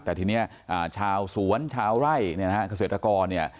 แต่ทีนี้ชาวสวนชาวไร่เนี่ยนะฮะเกษตรกรเนี่ย